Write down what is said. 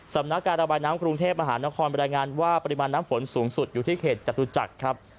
สำนักการระบายน้ำกรุงเทพมหานครบรรยายงานว่าปริมาณน้ำฝนสูงสุดอยู่ที่เขตจตุจักรครับ